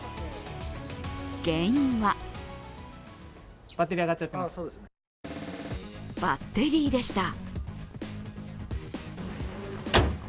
原因はバッテリーでした。